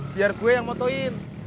biar gue yang motokin